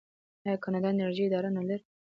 آیا کاناډا د انرژۍ اداره نلري؟